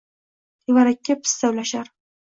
Tevarakka pista ulashar